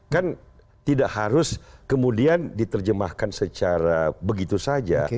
kan tidak harus kemudian diterjemahkan secara begitu saja